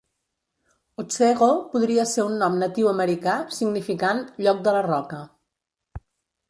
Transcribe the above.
Otsego podria ser un nom natiu americà significant "lloc de la roca".